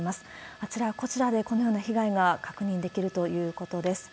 あちらこちらでこのような被害が確認できるということです。